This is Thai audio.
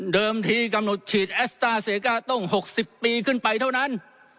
ที่กำหนดฉีดแอสต้าเซกาต้อง๖๐ปีขึ้นไปเท่านั้น